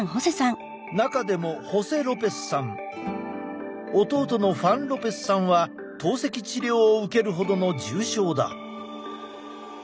中でもホセ・ロペスさん弟のファン・ロペスさんは透析治療を受けるほどの重症だ。